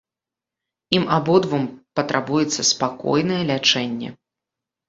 Ім абодвум патрабуецца спакойнае лячэнне.